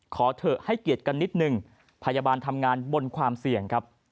ขอเถอะให้เกียรติกันนิดนึงพยาบาลทำงานบนความเสี่ยงครับ